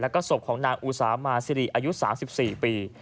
และกระสบของนางอู๋สามาซีรีย์อายุ๓๔ปี